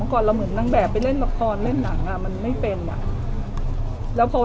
ก่อนเราเหมือนนางแบบไปเล่นละครเล่นหนังอ่ะมันไม่เป็นอ่ะแล้วพอ